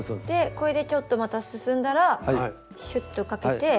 これでちょっとまた進んだらシュッとかけて。